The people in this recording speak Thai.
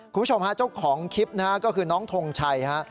คุณผู้ชมฮะเจ้าของคลิปนะฮะก็คือน้องทงชัยฮะ